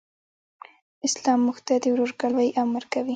اسلام موږ ته د ورورګلوئ امر کوي.